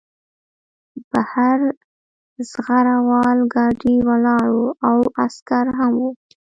بهر زغره وال ګاډی ولاړ و او عسکر هم وو